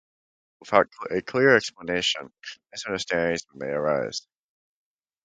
Without a clear explanation, misunderstandings may arise.